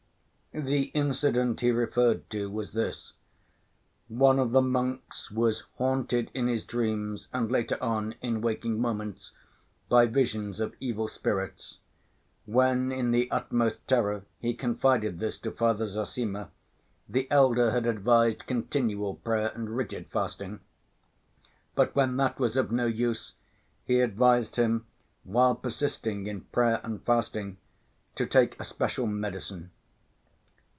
The incident he referred to was this. One of the monks was haunted in his dreams and, later on, in waking moments, by visions of evil spirits. When in the utmost terror he confided this to Father Zossima, the elder had advised continual prayer and rigid fasting. But when that was of no use, he advised him, while persisting in prayer and fasting, to take a special medicine.